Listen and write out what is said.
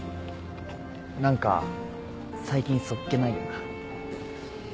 何か最近そっけないよな。